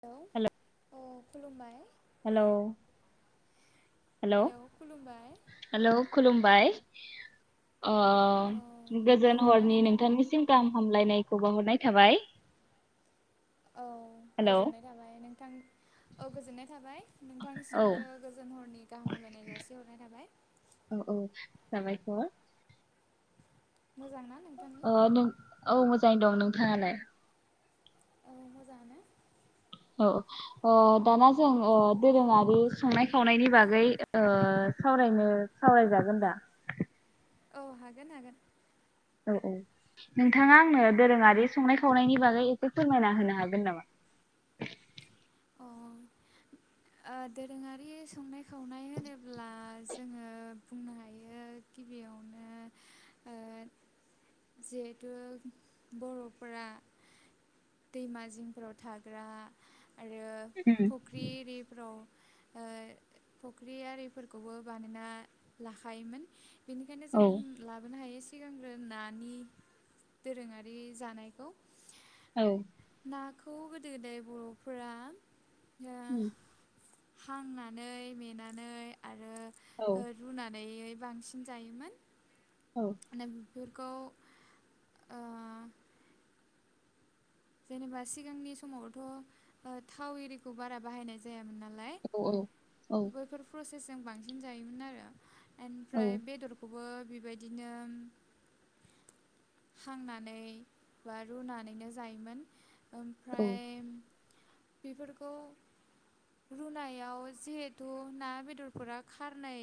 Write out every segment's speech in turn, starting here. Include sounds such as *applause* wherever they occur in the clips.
hello अ खुलुमबाय hello hello hello खुलुमबाय *inaudible* ओ औ गोजोन मोजांना हरनि नोंथां नोंथांनिसिम गाहाम हामलायनाय खौ बाहरनाय थाबाय औ हेलौ गोजोनाय थाबाय नोंथां औ गोजोननाय थाबाय औ नोंथांसिमबो गोजोन हरनि गाहाम हामलायनाय जासिहरनाय थाबाय थाबाय औ औ साबायख'र मोजांना नोंथांनि अ नों औ मोजां मोजायै दं नोंथाङालाय औ मोजाङानो औ अ दाना जों दोरोङारि संनाय खावनायनि बागै ओ सावरायनो सावरायजागोन दा औ हागोन हागोन औ औ नोंथाङा अ आंनो दोरोङारि संनाय खावनायनि बागै एसे फोरमायना होनो हागोन नामा ओ दोरोङारि संनाय खावनाय होनोब्ला जोङो बुंनो हायो गिबियावनो ओ जिहेथु बर'फोरा दैमा जिंफोराव थाग्रा आरो उम फुख्रि एरिफ्राव ओ फख्रि आरिफोरखौबो बानायना लाखायोमोन बेनिखायनो औ बुं जों लाबोनो हायो सिगांग्रो नानि दोरोङारि जानायखौ औ हाखौ गोदो गोदाय बर' फोरा उम हांनानै मेनानै आ औ रो रुनानै बांसिन जायोमोन औ माने बेफोरखौ ओ जेनेबा सिगांनि समावथ' ओ थाव एरिखौ बारा बाहायनाय जाया औ औ औ सजों बांसिन जायोमोन आरो औ एनफ्राय बेदरखौबो बेबायदिनो हांनानै बा रुनानैनो जायोमोन औ ओमफ्राय बेफोरखौ रुनायाव जिहेथु ना बेदरफोरा खारनै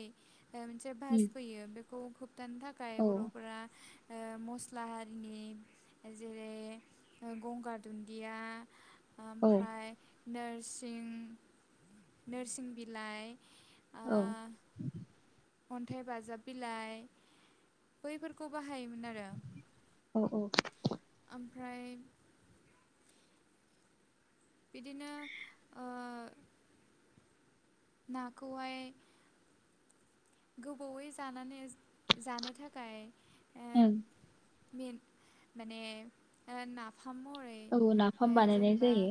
मोनसे भास उम फैयो बे *unintelligible* दान थाखाय औ बर'फोरा ओ मस्ला हारिनि जेरै गंगार दुन्दिया औ आमफ्राय नोरसिं नोरसिं बिलाइ औ अन्थाइ बाजाब बिलाइ बैफोरखौ बाहायोमोन आरो औ औ ओमफ्राय बिदिनो ओ नाखौहाय गोबावै जानानै जानो थाखाय ओ उम मेन माने ओ ना खामरै औ ए नाफाम बानायनाय जेनेबा जायो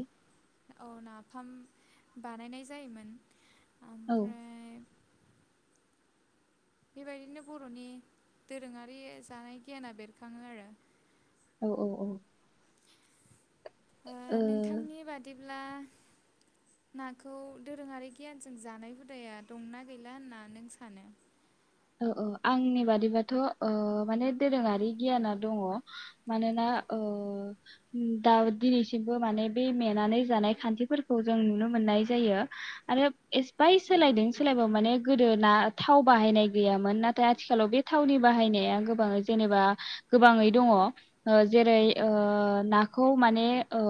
औ नाफाम बानायनाय जायोमोन औ ओमफ्राय बेबायदिनो बर'नि दोरोङारि जानाय गियाना बेरखाङो आरो औ औ औ आ ओ नोंथांनि बादिब्ला नाखौ दोरोङारि गियानजों जानाय हुदाया दंना गैला होनना नों सानो औ औ आंनि बादिबाथ' ओ माने दोरोङारि गियाना दङ मानोना ओ दा दिनैसिमबो माने बे मेनानै जानाय खान्थिफोरखौ जों नुनो मोननाय जायो आरो एसबाइ सोलायदों सोलायबाबो माने गोदो ना थाव बाहायनाय गैयामोन नाथाय आथिखालाव बे थावनि बाहायनायाबां जेनेबा गोबाङै दङ ओ जेरै ओ नाखौ माने ओ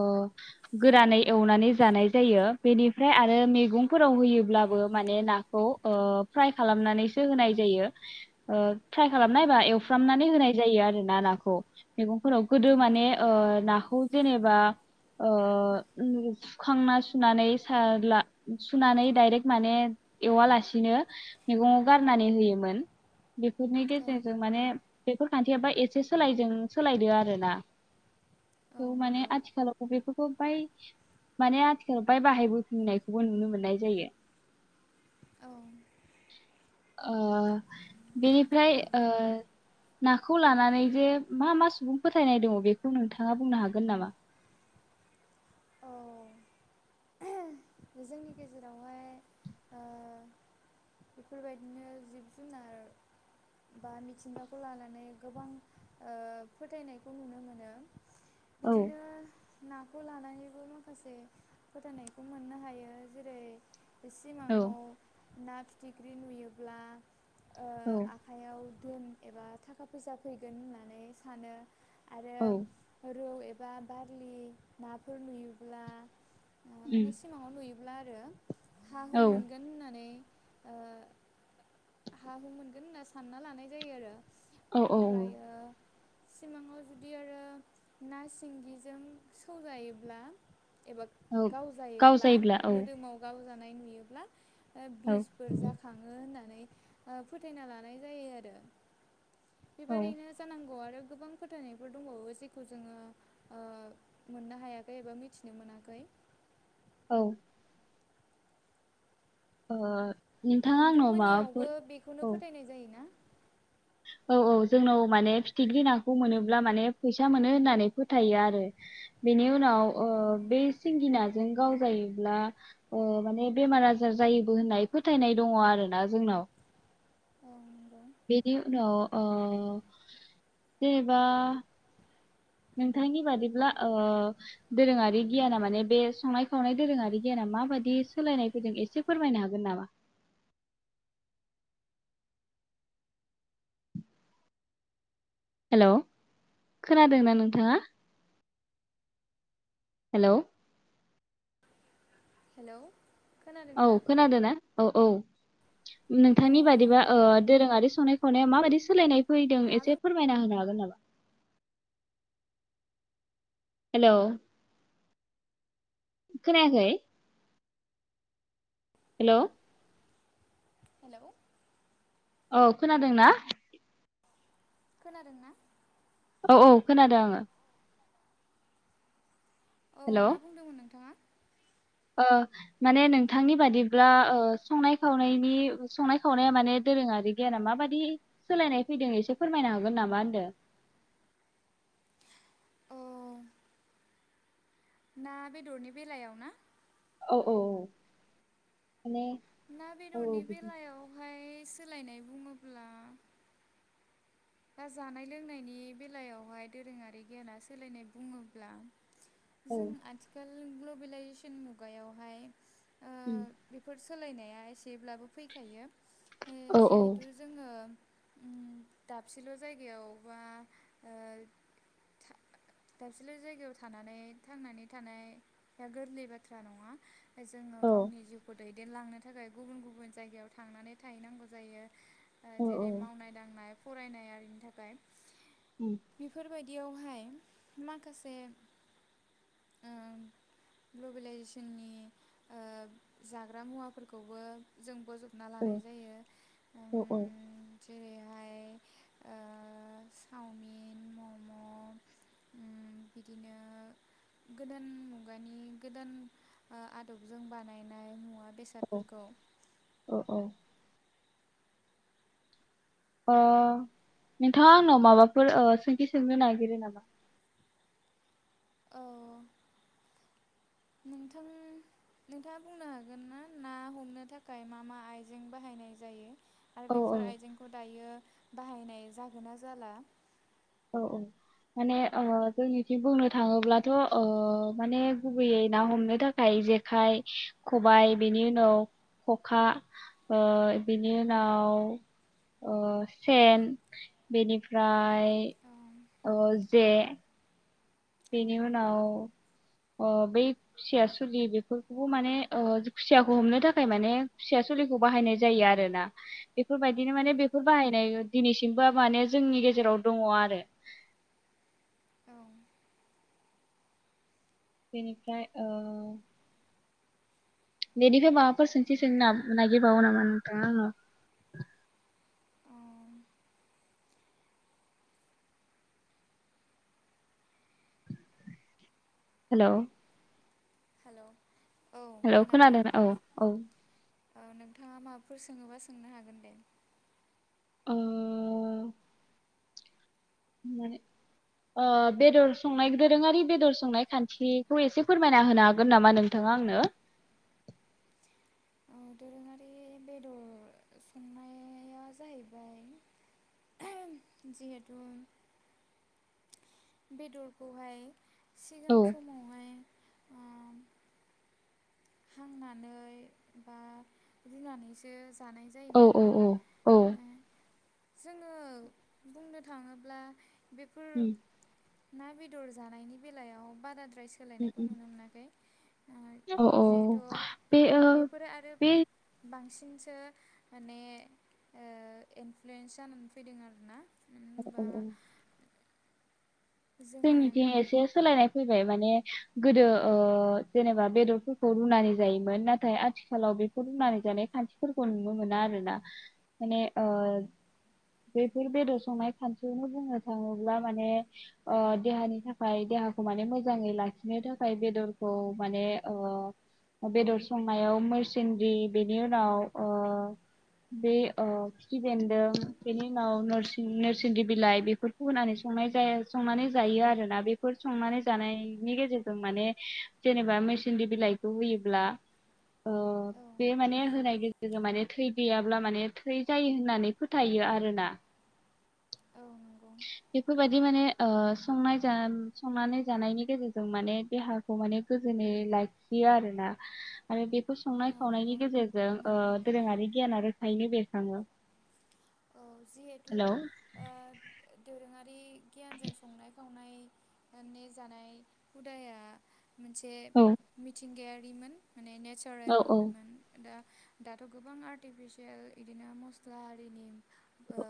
गोरानै एवनानै जानाय जायो बेनिफ्राय आरो मैगंफोराव होयोब्लाबो माने नाखौ ओ फ्राय खालामनानैसो होनाय ज यो ओ ट्राइ ओं खालामनायबा एवफ फ्रामनानै होनाय जायो आरो ना नाखौ मैगंफोराव गोदो औ माने ओ नाखौ जेनेबा ओ सुखांना सुनानै साला सुनानै डाइरेक्ट माने एवालासिनो मैगङाव गारनानै होयो मोन बेफोरनि औ गेजेरजों माने बेफोर खान्थियाबा एसे सोलायदों सोलायदो आरो ना औ माने आथिखालाव बेफोर बाय माने आथिखालाव बाय बाहायबोफिनायखौबो नुनो मोननाय जायो औ ओ बेनिफ्राय ओ नाखौ लानानै जे मा मा सुबुं फोथायनाय दङ बेखौ नोंथाङा बुंनो हागोन नामा औ जोंनि गेजेरावहाय ओ बेफोरबायदिनो जिब जुनार बा मिथिंगाखौ लानानै गोबां ओ फोथायनायखौ नुनो मोनो औ बिदिनो ना खौ लानानैबो माखासे फोथायनायखौ मोननो हायो जेरै औ सिमाङाव ना फिथिख्रि नुयोब्ला ओ औ आखाइयाव दोन एबा थाखा फैसा फैगोन होननानै सानो आरो औ रौ ए बा बारलि नाफोर नुयोब्ला उम योब्ला आरो हा हु औ मोनगोन होननानै ओ हा हु मोनगोन होनना सानना लानाय जायो आरो औ औ ओमफ्रायो सिमाङाव जुदि आरो ना सिंगिजों सौजायोब्ला एबा औ गाव जायो जायोब्ला औ मोदोमाव गाव जानाय नुयो ब्ला ओ औ बिसफोर जाखाङो होननानै ओ फोथायना लानाय जायो आरो औ बेबादैनो जानांगौ आरो गोबां फोथायनायफोर दंबावो जेखौ जोङो ओ मोननो हायाखै एबा मिथिनो मोनाखै औ ओ नोंथाङा आंनाव माबाफोर नोंथांमोननियावबो बेखौनो औ फोथायनाय जायोना औ औ जोंनाव माने फिथिख्रि नाखौ मोनोब्ला माने फैसा मोनो होननानै फोथायो आरो बेनि उन आव ओ औ बे सिंगिना जों गाव जायोब्ला ओ माने बेमार आजार जायोबो होननाय फोथायनाय दङ आरोना जोंनाव *inaudible* बेनि उनाव ओ जेनेबा नोंथांनि बादिब्ला ओ दोरोङारि गियाना माने बे संनाय खावनाय दोरोङारि गियाना माबादि सोलायनाय फैदों एसे फोरमायनो हागोन नामा हेलौ खोनादोंना नोंथाङा हेलौ हेलौ खोनादों औ ना खोनादो ना औ औ ओ नोंथांनि बादिबा ओ दोरोङारि संनाय खावनाया माबायदि सोलायनाय फैदों मा एसे बुं फोरमायना होनो हागोन नामा *inaudible* हेलौ खोनायाखै हेलौ हेलौ औ खोनादोंना खोनादों ना औ औ खोनादों आङो औ हेलौ मा बुंदोंमोन नोंथाङा ओ माने नोंथांनि बादिब्ला ओ संनाय खावनायनि संनाय खावनाया माने दोरोङारि गियाना माबादि सोलायनाय फैदों एसे फोरमायनो हागोन नामा होनदों औ ना बेदरनि बेलायाव ना औ औ माने ना औ बेदरनि बिदि बेलायावहाय सोलायनाय बुङोब्ला दा जानाय लोंनायनि बेलायावहाय दोरोङारि गियाना सोलायनाय बुङोब्ला औ जों आथिखाल ग्लबेलाइजेसन मुगायावहाय ओ उम बेफोर सोलायनाया एसेब्लाबो फैखायो ओ औ जिहेथु जोङो उम दाबसेल' जायगायाव बा ओ दाबसेल' जायगायाव थानानै थांनानै थानाया गोरलै बाथ्रा नङा जोङो औ गावनि जिउखौ दै देनलांनो थाखाय गुबुन गुबुन जायगायाव थांनानै थाहैनांगौ जायो औ जेरै औ मावनाय दांनाय फरायनाय आरिनि थाखाय उम बेफोरबायदि बिदियावहाय माखासे ओ ग्लबेलाइजेसननि ओ जाग्रा मुवाफोरखौबो जों बोजब ना औ लानाय जायो औ औ जेरैहाय ओ चावमिन मम' ओम बिदिनो गोदान मुगानि गोदान ओ आदबजों बानायनाय मुवा औ बेसादफोरखौ औ औ ओ अ नोंथाङा आंनाव माबाफोर ओ सोंथि सोंनो नागिरो नामा औ नोंथां नोंथाङा बुंनो हागोन ना ना हमनो थाखाय मा मा आइजें बाहायनाय जायो आरो औ औ बेफोर आइजेंखौ दायो बाहायनाय जागोन ना जाला औ औ माने ओ जोंनिथि बुंनो थाङोब्लाथ' ओ माने गुबैयै ना हमनो थाखाय जेखाइ खबाइ बेनि उनाव खखा ओ बेनि उनाव ओ सेन बेनिफ्राय औ अ जे औ बिनि उनाव अ बै खुसियासुलि बेफोरखौबो माने ओ खुसियाखौ हमनो थाखाय माने खुसियासुलिखौ बाहायनाय जायो आरोना बेफोरबायदिनो माने बेफोर बाहायनाय दिनैसिमबो माने जोंनि गेजेराव दङ आरो औ बेनिफ्राय ओ बेनिफ्राय माबाफोर सोंथि सोंनो नागिरबावो नामा नोंथाङा आंनाव औ हेलौ हेलौ हेलौ खोनादों औ औ औ नोंथाङा माबाफोर सोङोबा सोंनो हागोन दे ओ माने ओ बेदर संनाय दोरोङारि बेदर संनाय खान्थिखौ एसे फोरमायना होनो हागोन नामा नोंथाङा आंनो दोरोङारि बेदर संनाय आजाहैबाय जिहेथु बेदरखौहाय औ सिगां समावहाय हांनानै बा रुनानैसो जानाय औ जायोमोन औ औ औ जों आङो बुंनो थाङोब्ला बेफोर उम ना बे बेदर जानायनि बेलायाव बाराथ' प्राय उम सोलायनायखौ नुनो मोनाखै औ औ जिहेथु बे ओ बेफोरो आरो बे बांसिन थिंसो माने ओ इनफ्लुयेन्स जानानै फैदों आरो ना औ औ औ जोङो जोंनिथिं एसे सोलायनाय फैबाय माने गोदो ओ जेनेबा बेदरफोरखौ रुनानै जायोमोन नाथाय आथिखालाव बेफोर रुनानै जानाय खान्थिफोरखौ नुनो मोना आरोना माने ओ बेफोर बेदर संनाय खान्थिखौनो बुंनो थाङोब्ला माने ओ देहानि थाखाय देहाखौ माने मोजाङै लाखिनो थाखाय बेदरखौ माने बेदर ओ संनायाव नोरसिंग्रि बेनि उनाव ओ बे ओ खिफि बेन्दों बेनि उनाव नसिं नोरसिं बिलाइ बेफोरखौ होनानै संनाय जाया संनानै जायो आरोना बेफोर संनानै जानायनि गेजेरजों माने जेनेबा मेसिंदि बिलाइखौ होयोब्ला अ औ बे माने होनाय जोङो माने थै गैयाब्ला माने थै जायो होननानै फोथायो आरोना औ नंगौ बेफोरबायदि माने ओ संनाय संनानै जानायनि गेजेरजों माने देहाखौ माने गोजोनै लाखियो आरोना आरो बेफोर औ संनाय नंगौ खावनायनि गेजेरजों ओ नंगौ दोरोङारि गियाना रोखायैनो बेरखाङो औ जिहेथु हेलौ दोरोङारि गियानजों संनाय खावनाय नि जानाय हुदाया मोनसे औ मिथिंगायारि *unintelligible* माने औ औ नेचारेलमोन दा दाथ' गोबां आर्टिफिसियेल इदिनो मस्ला आरिनि औ ओ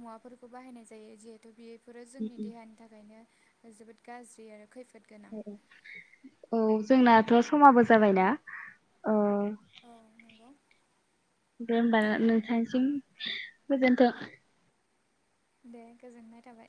मुवा खौ बाहायनाय जायो जिहेतु बेयो बेफोरो जोंनि देहानि थाखायनो जोबोद गाज्रि आरो खै औ औ जोंनाथ' समाबो जाबायना ओ *inaudible* औ नंगौ दे होमबा नोंथांसिम गोजोनथों दे गोजोननाय थाबाय